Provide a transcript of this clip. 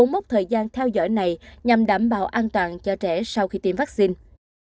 mốc thời gian theo dõi này nhằm đảm bảo an toàn cho trẻ sau khi tiêm vaccine